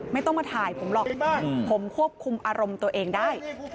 ไม่ต้องมาถ่ายผมหรอกผมควบคุมอารมณ์ตัวเองได้